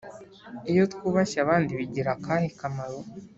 Iyo twubashye abandi bigira akahe kamaro